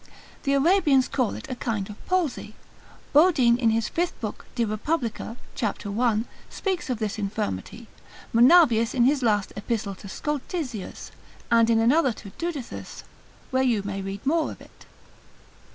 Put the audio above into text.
The Arabians call it a kind of palsy. Bodine in his 5th book de Repub. cap. 1, speaks of this infirmity; Monavius in his last epistle to Scoltizius, and in another to Dudithus, where you may read more of it.